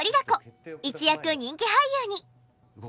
一躍人気俳優に！